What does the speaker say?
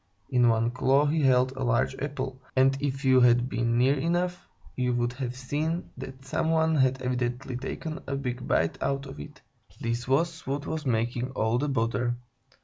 In one claw he held a large apple, and if you had been near enough, you would have seen that some one had evidently taken a big bite out of it. This was what was making all the bother.